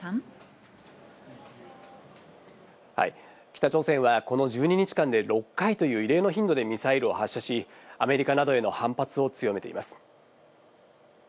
北朝鮮はこの１２日間で６回という異例の頻度でミサイルを発射し、アメリカなどへの反発を強めています。